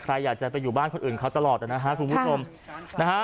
ใครอยากจะไปอยู่บ้านคนอื่นเขาตลอดนะฮะคุณผู้ชมนะฮะ